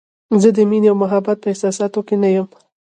زه د مینې او محبت په احساساتو کې نه یم.